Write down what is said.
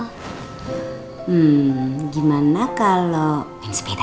hmm gimana kalau main sepeda